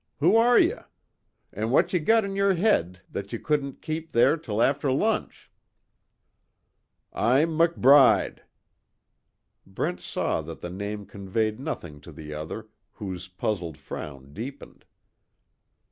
Who are ye? An' what ye got in ye're head that ye couldn't kape there till afther lunch?" "I'm McBride." Brent saw that the name conveyed nothing to the other, whose puzzled frown deepened.